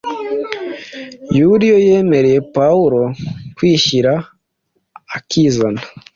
Yuliyo yemereye Pawulo kwishyira akizana;